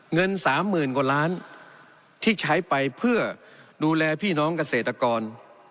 เงิน๓๐๐๐กว่าล้านที่ใช้ไปเพื่อดูแลพี่น้องเกษตรกร